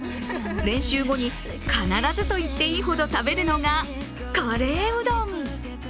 練習後に必ずといっていいほど食べるのがカレーうどん。